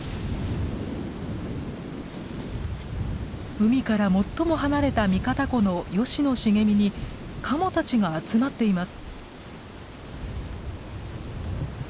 海から最も離れた三方湖のヨシの茂みにカモたちが集まっています。